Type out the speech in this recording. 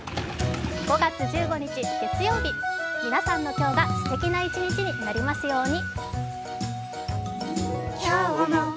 ５月１５日月曜日、皆さんの今日がすてきな一日になりますように。